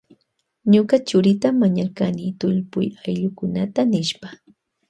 Ñuka churita mañarkani tullpuy ayllukunata nishpa.